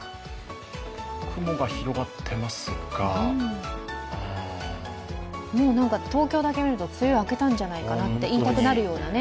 雲が広がっていますがもう東京だけ見ると梅雨明けたんじゃないかって言いたくなるくらいのね。